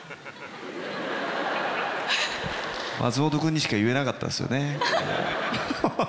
松本君にしか言えなかったんですよね。